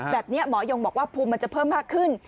แบบนี้หมอยงบอกว่าภูมิมันจะเพิ่มมากขึ้น